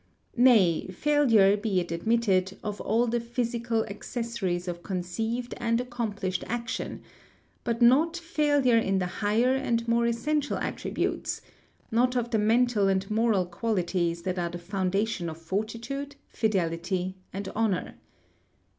Nay ; failure, be it admitted, of all the ph}^sical accessories of conceived and accomplished action, hut not failure in the higher and more essential attri butes— not of the mental and moral qualities that are the foun dation of fortitude, fidelity, and honor.